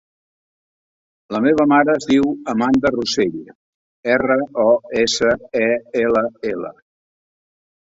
La meva mare es diu Amanda Rosell: erra, o, essa, e, ela, ela.